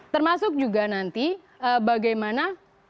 termasuk juga nanti bagaimana